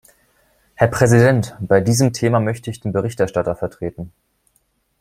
Herr Präsident! Bei diesem Thema möchte ich den Berichterstatter vertreten.